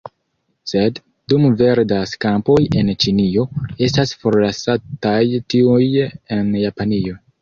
Sed, dum verdas kampoj en Ĉinio, estas forlasataj tiuj en Japanio.